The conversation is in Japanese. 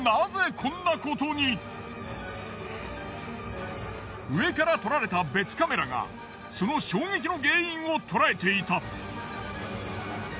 でも上から撮られた別カメラがその衝撃の原因を捉えていた。